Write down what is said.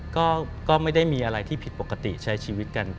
ก็ไม่ได้มีอะไรที่ผิดปกติใช้ชีวิตกัน